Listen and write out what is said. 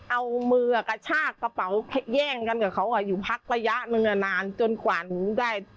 เอามือกระชากกระเป๋าแย่งกันกับเขาอยู่พักระยะหนึ่งนานจนกว่าหนูได้